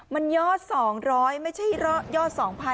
มันยอด๒๐๐ไม่ใช่ยอด๒๐๐